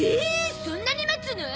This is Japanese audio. そんなに待つの？